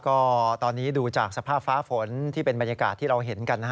ก็ตอนนี้ดูจากสภาพฟ้าฝนที่เป็นบรรยากาศที่เราเห็นกัน